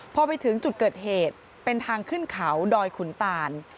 พอไปถึงจุดเกิดเหตุเป็นทางขึ้นเขาดอยขุนตาน